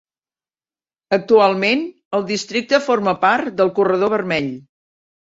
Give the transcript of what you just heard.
Actualment, el districte forma part del Corredor Vermell.